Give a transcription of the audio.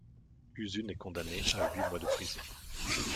Uzun est condamné à huit mois de prison.